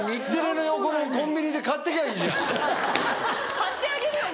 買ってあげるよもう。